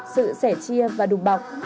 sự sẻ chia và đùm bọc